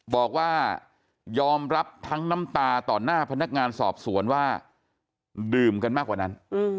บอกว่ายอมรับทั้งน้ำตาต่อหน้าพนักงานสอบสวนว่าดื่มกันมากกว่านั้น